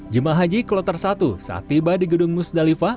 jemaah haji kalau tersatu saat tiba di gedung musdalifah